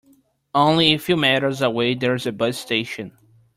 Only a few meters away there is a bus station.